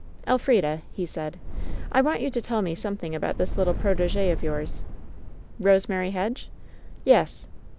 "Elfrida," he said, "I want you to tell me somethixig about this little protege of yours." "Eosemary Hedge ?" "Yes."